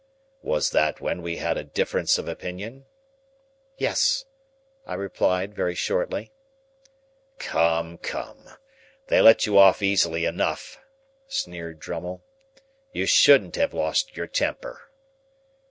"Was that when we had a difference of opinion?" "Yes," I replied, very shortly. "Come, come! They let you off easily enough," sneered Drummle. "You shouldn't have lost your temper."